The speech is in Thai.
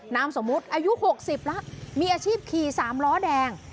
นำสมมุติอายุหกสิบแล้วมีอาชีพขี่สามล้อแดง